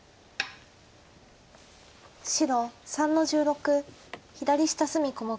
白３の十六左下隅小目。